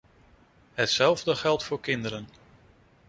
Hetzelfde geldt voor kinderen.